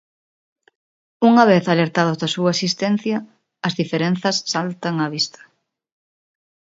Unha vez alertados da súa existencia, as diferenzas saltan á vista.